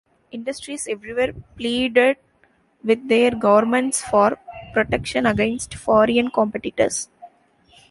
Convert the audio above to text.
Industries everywhere pleaded with their governments for protection against foreign competitors.